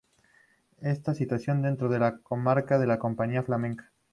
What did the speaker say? Está situada dentro de la comarca de Campiña Flamenca.